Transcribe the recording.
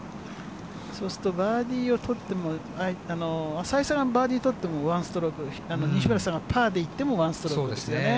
そうすると、バーディーを取っても、淺井さんバーディーを取っても１ストローク、西村さんがパーでいっても、１ストロークですよね。